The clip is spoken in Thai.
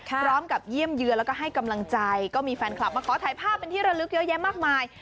พร้อมกับเยี่ยมเยือนแล้วก็ให้กำลังใจก็มีแฟนคลับมาขอถ่ายภาพเป็นที่ระลึกเยอะแยะมากมาย